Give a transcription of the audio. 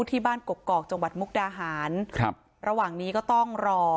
ที่บ้านกกอกจังหวัดมุกดาหารครับระหว่างนี้ก็ต้องรอ